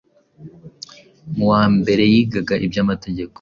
mu wa mbere yigaga iby’Amategeko